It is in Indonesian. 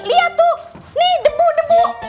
lihat tuh nih debu debu